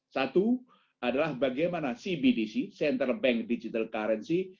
satu adalah bagaimana cbdc central bank digital currency